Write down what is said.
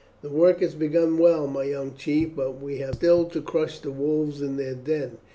"The work has begun well, my young chief, but we have still to crush the wolves in their den.